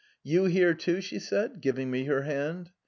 You here, too? " she asked, giving me her hand.